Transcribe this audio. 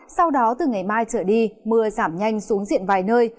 sau đó từ ngày mai trở đi mưa giảm nhanh xuống diện vài nơi